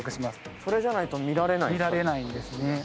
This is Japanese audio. それじゃないと見られないんですか？